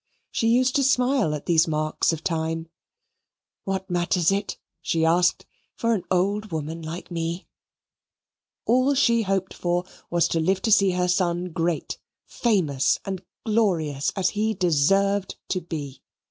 She used to smile at these marks of time. "What matters it," she asked, "For an old woman like me?" All she hoped for was to live to see her son great, famous, and glorious, as he deserved to be.